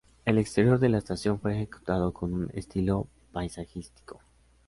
El exterior de la estación fue ejecutado con un estilo "paisajístico".